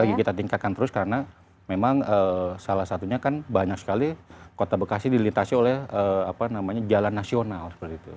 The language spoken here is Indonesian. lagi kita tingkatkan terus karena memang salah satunya kan banyak sekali kota bekasi dilintasi oleh jalan nasional seperti itu